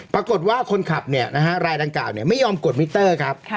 ปรากฏว่าคนขับรายดังกล่าวไม่ยอมกดมิเตอร์ครับ